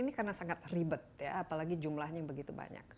ini karena sangat ribet ya apalagi jumlahnya yang begitu banyak